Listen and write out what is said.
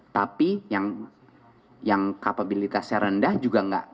tapi yang kapabilitasnya rendah juga enggak